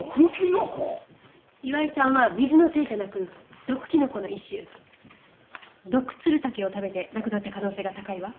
岩井さんは水のせいじゃなく毒キノコの一種ドクツルタケを食べて亡くなった可能性が高いわ。